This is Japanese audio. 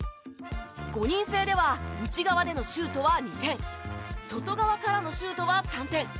５人制では内側でのシュートは２点外側からのシュートは３点。